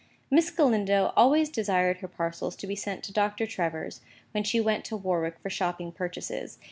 Miss Galindo always desired her parcels to be sent to Dr. Trevor's, when she went to Warwick for shopping purchases.